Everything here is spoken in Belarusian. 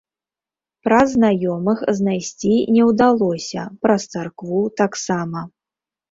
Праз знаёмых знайсці не ўдалося, праз царкву таксама.